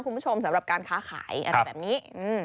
คุณผู้ชมสำหรับการค้าขายอะไรแบบนี้